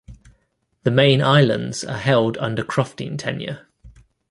The main islands are held under crofting tenure.